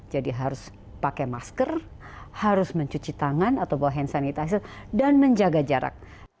jadi harus pakai masker harus mencuci tangan atau bawa hand sanitizer dan menjaga jarak